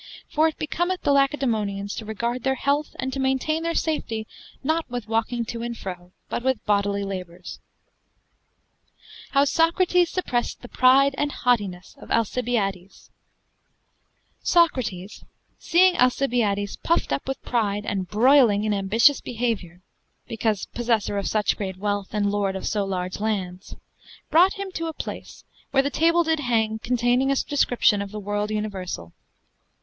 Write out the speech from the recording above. For it becometh the Lacedaemonians to regarde their health and to maintaine their safety not with walking to and fro, but with bodily labours." HOW SOCRATES SUPPRESSED THE PRYDE AND HAUTINESSE OF ALCIBIADES Socrates, seeing Alcibiades puft up with pryde and broyling in ambitious behavioure (because possessor of such great wealth and lorde of so large lands) brought him to a place where a table did hang containing a discription of the worlde universall.